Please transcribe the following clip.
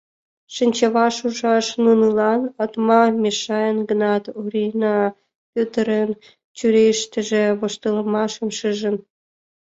Шинчаваш ужаш нунылан атма мешаен гынат, Орина Пӧтырын чурийыштыже воштылмашым шижын.